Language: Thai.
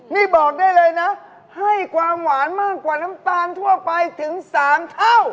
นี่บอกได้เลยนะให้ความหวานมากกว่าน้ำตาลทั่วไปถึง๓เท่า